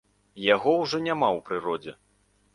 Яго ўжо няма ў прыродзе.